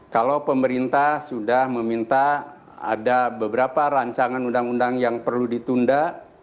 kalau pemerintah sudah meminta ada beberapa rancangan undang undang yang perlu ditunda